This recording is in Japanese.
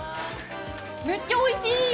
めっちゃおいしい！